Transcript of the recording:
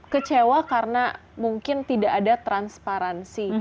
kecewa karena mungkin tidak ada transparansi